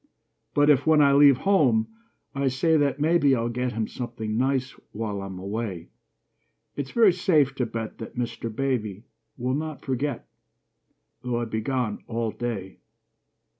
But if, when I leave home, I say that maybe I'll get him something nice while I'm away, It's very safe to bet that Mr. Baby Will not forget, though I be gone all day.